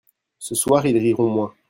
Ce soir ils riront moins.